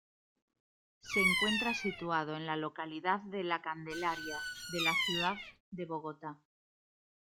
Se encuentra situado en la localidad de La Candelaria de la ciudad de Bogotá.